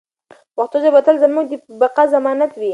پښتو ژبه به تل زموږ د بقا ضمانت وي.